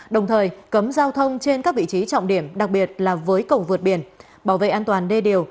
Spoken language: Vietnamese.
đồng thời cấm giao thông trên các vị trí trọng điểm đặc biệt là với cầu vượt biển bảo vệ an toàn đê điều